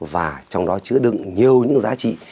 và trong đó chữa đựng nhiều những giá trị